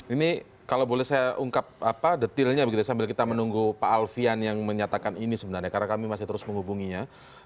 ini kalau boleh saya ungkap detilnya begitu ya sambil kita menunggu pak alfian yang menyatakan ini sebenarnya karena kami masih terus menghubunginya